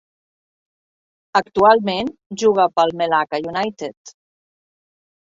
Actualment juga pel Melaka United.